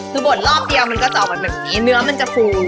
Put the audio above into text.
คือบดรอบเดียวมันก็จะออกแบบแบบนี้เนื้อมันจะฟู